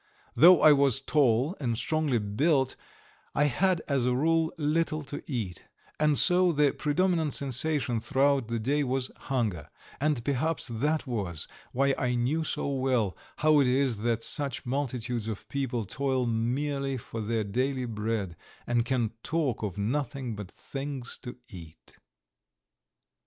Though I was tall and strongly built, I had as a rule little to eat, and so the predominant sensation throughout the day was hunger, and perhaps that was why I knew so well how it is that such multitudes of people toil merely for their daily bread, and can talk of nothing but things to eat.